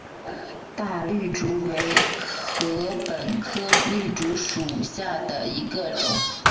大绿竹为禾本科绿竹属下的一个种。